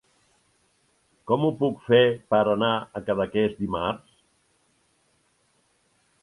Com ho puc fer per anar a Cadaqués dimarts?